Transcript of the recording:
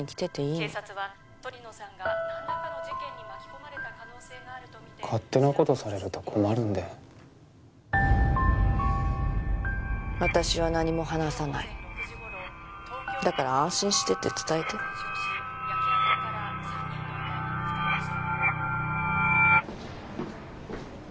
警察は鳥野さんが何らかの事件に巻き込まれた可能性があるとみて勝手なことされると困るんで私は何も話さないだから安心してって伝えて焼け跡から３人の遺体が見つかりました